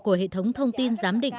của hệ thống thông tin giám định